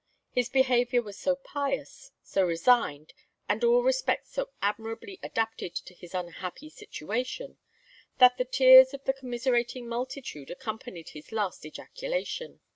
His behaviour was so pious, so resigned, and in all respects so admirably adapted to his unhappy situation, that the tears of the commiserating multitude accompanied his last ejaculation.